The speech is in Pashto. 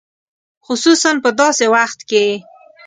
خصوصاً په داسې وخت کې.